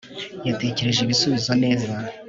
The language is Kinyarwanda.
Yatekereje ibisubizo neza